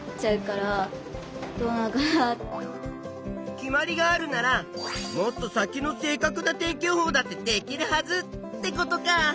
決まりがあるならもっと先の正かくな天気予報だってできるはずってことか。